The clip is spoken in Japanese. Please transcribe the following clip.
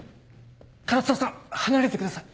唐澤さん離れてください。